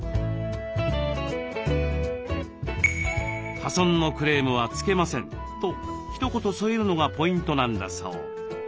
「破損のクレームはつけません」とひと言添えるのがポイントなんだそう。